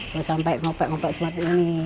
terus sampai ngopek ngopek seperti ini